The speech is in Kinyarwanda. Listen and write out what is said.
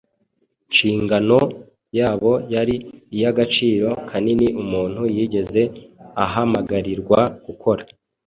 nshingano yabo yari iy’agaciro kanini umuntu yigeze ahamagarirwa gukora.